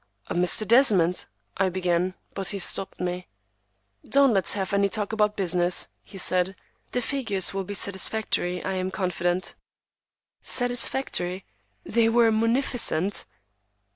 "Mr. Desmond—" I began, but he stopped me. "Don't let's have any talk but business," he said. "The figures will be satisfactory, I am confident." Satisfactory! They were munificent!